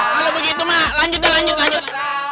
kalau begitu mah lanjut dah lanjut lanjut